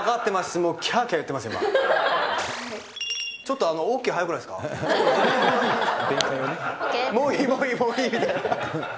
もういい、もういいみたいな。